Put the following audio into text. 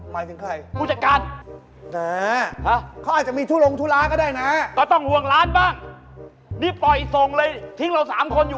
ปี๊กเลยปี๊กเลย